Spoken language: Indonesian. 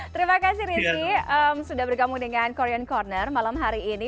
terima kasih rizky sudah bergabung dengan korean corner malam hari ini